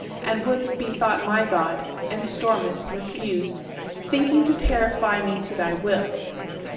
and would'st be thought my God; And storm'st, refused, thinking to terrify Me to thy will!